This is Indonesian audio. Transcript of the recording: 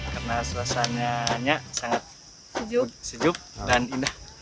karena suasananya sangat sejuk dan indah